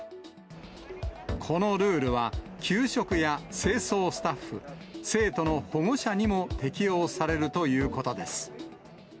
このルールは、給食や清掃スタッフ、生徒の保護者にも適用されるということです。